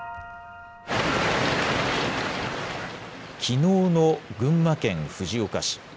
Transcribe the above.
きのうの群馬県藤岡市。